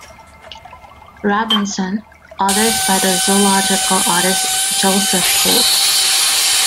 Robinson; others by the zoological artist Joseph Wolf.